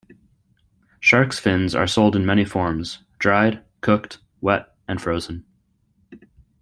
Sharks' fins are sold in many forms: dried, cooked, wet and frozen.